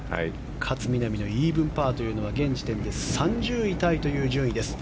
勝みなみのイーブンパーというのは現時点で３０位タイという順位です。